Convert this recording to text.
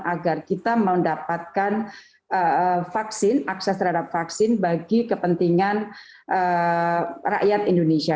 agar kita mendapatkan vaksin akses terhadap vaksin bagi kepentingan rakyat indonesia